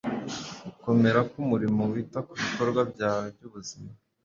gukomera kumurimo wita kubikorwa byawe byubuzima